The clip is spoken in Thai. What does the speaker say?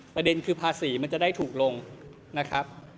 ประเด็นคือภาษีมันจะได้ถูกลงนะครับ